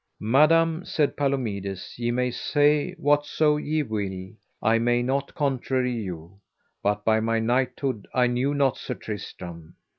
Madam, said Palomides, ye may say whatso ye will, I may not contrary you, but by my knighthood I knew not Sir Tristram.